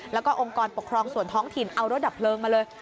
แล้วก็องค์กรปกครองส่วนท้องถิ่นเอารถดับเพลิงมาเลย